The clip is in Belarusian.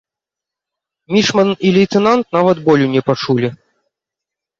Мічман і лейтэнант нават болю не пачулі.